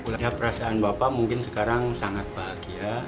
perasaan bapak mungkin sekarang sangat bahagia